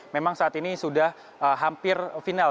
memang saat ini sudah hampir final